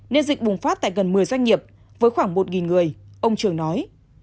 nên dịch bùng phát tại gần một mươi doanh nghiệp với khoảng một người ông trường nói